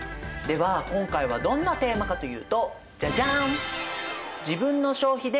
では今回はどんなテーマかというとジャジャン！